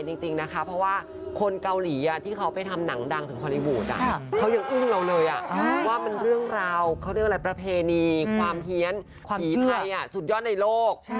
ดราวเค้าเรียกว่าอะไรประเพณีความเฮียนภีรไทยสุดยอดในโลด